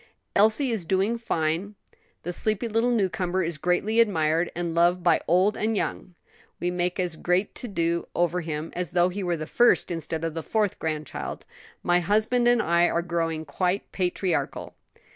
"Elsie is doing finely; the sleepy little newcomer is greatly admired and loved by old and young; we make as great a to do over him as though he were the first instead of the fourth grandchild. My husband and I are growing quite patriarchal.